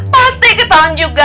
pasti ketawan juga